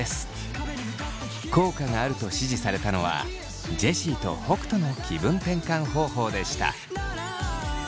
効果があると支持されたのはジェシーと北斗の気分転換方法でした。